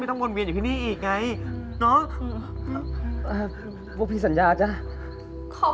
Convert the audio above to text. พี่ป๋องครับผมเคยไปที่บ้านผีคลั่งมาแล้ว